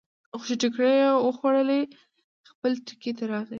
خو چې ټکرې یې وخوړلې، خپل ټکي ته راغی.